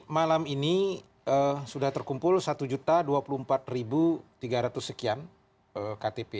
malam ini sudah terkumpul satu dua puluh empat tiga ratus sekian ktp